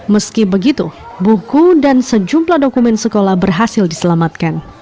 meski begitu buku dan sejumlah dokumen sekolah berhasil diselamatkan